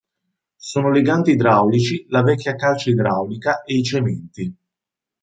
Sono leganti idraulici la vecchia calce idraulica e i cementi.